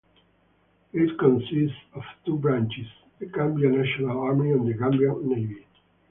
It consists of two branches, the Gambia National Army and the Gambian Navy.